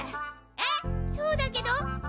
えっそうだけど？